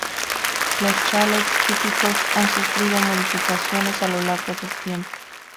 Los chalets típicos han sufrido modificaciones a lo largo del tiempo.